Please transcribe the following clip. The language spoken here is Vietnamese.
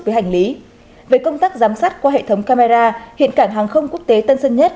với hành lý về công tác giám sát qua hệ thống camera hiện cảng hàng không quốc tế tân sơn nhất